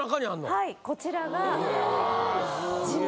はいこちらがジム。